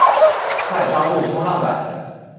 快抓住衝浪板